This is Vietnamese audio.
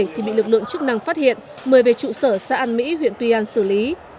thì bị lực lượng chức năng phát hiện mời về trụ sở xã an mỹ huyện tuy an xử lý